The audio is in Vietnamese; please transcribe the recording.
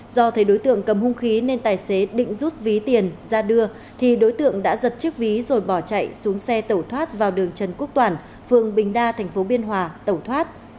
do thấy đối tượng cầm hung khí nên tài xế định rút ví tiền ra đưa thì đối tượng đã giật chiếc ví rồi bỏ chạy xuống xe tẩu thoát vào đường trần quốc toàn phường bình đa thành phố biên hòa tẩu thoát